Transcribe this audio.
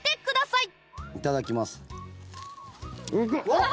いただきます。